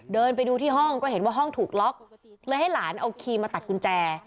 เดินไปดูที่ห้องก็เห็นว่าห้องถูกล็อกเลยให้หลานเอาคีย์มาตัดกุญแจ